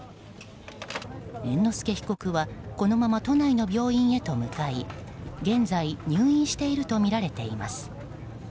猿之助被告はこのまま都内の病院へと向かい現在、入院しているとみられています。